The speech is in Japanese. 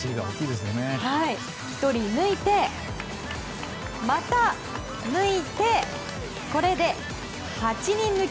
１人抜いて、また抜いてこれで８人抜き！